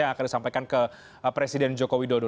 yang akan disampaikan ke presiden joko widodo